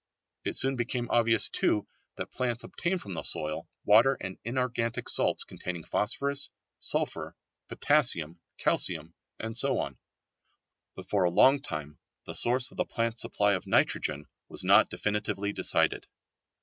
It soon became obvious too that plants obtain from the soil water and inorganic salts containing phosphorus, sulphur, potassium, calcium, and so on; but for a long time the source of the plants' supply of nitrogen was not definitely decided.